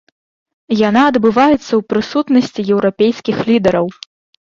Яна адбываецца ў прысутнасці еўрапейскіх лідараў.